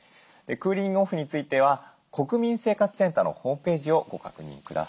クーリング・オフについては国民生活センターのホームページをご確認ください。